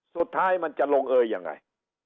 สุดท้ายมันจะลงเอยยังไง